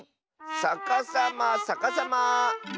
さかさまさかさま。